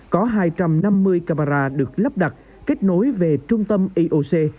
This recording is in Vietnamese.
có hai trăm năm mươi camera được lắp đặt kết nối về trung tâm ioc